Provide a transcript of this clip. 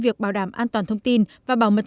việc bảo đảm an toàn thông tin và bảo mật